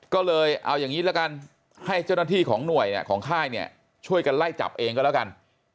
ก็เลยเอาอย่างนี้ละกันให้เจ้าหน้าที่ของหน่วยของค่ายเนี่ยช่วยกันไล่จับเองก็แล้วกัน